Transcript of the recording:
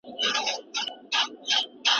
استاد شاګرد ته د علمي مقالي بېلګه وښودله.